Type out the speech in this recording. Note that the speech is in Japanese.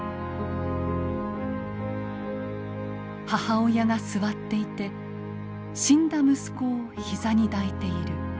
「母親が座っていて死んだ息子を膝に抱いている。